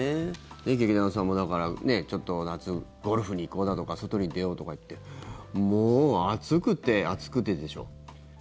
劇団さんもだから、ちょっと夏ゴルフに行こうだとか外に出ようとかってもう暑くて暑くてでしょう。